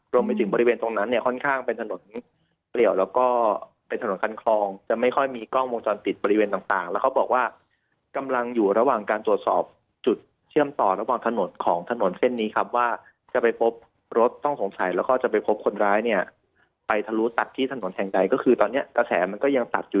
รวมไปถึงบริเวณตรงนั้นเนี่ยค่อนข้างเป็นถนนเปลี่ยวแล้วก็เป็นถนนคันคลองจะไม่ค่อยมีกล้องวงจรปิดบริเวณต่างแล้วเขาบอกว่ากำลังอยู่ระหว่างการตรวจสอบจุดเชื่อมต่อระหว่างถนนของถนนเส้นนี้ครับว่าจะไปพบรถต้องสงสัยแล้วก็จะไปพบคนร้ายเนี่ยไปทะลุตัดที่ถนนแห่งใดก็คือตอนนี้กระแสมันก็ยังตัดอยู่